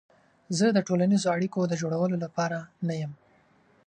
زه د ټولنیزو اړیکو د جوړولو لپاره نه یم.